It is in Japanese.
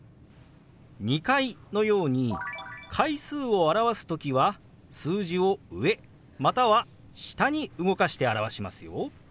「２階」のように階数を表す時は数字を上または下に動かして表しますよ。